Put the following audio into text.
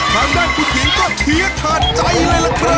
ถามได้ขนาดผู้ถือที่จะทานใจเลยล่ะครับ